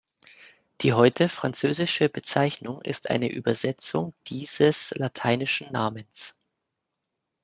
Die heute französische Bezeichnung ist eine Übersetzung dieses lateinischen Namens.